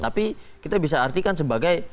tapi kita bisa artikan sebagai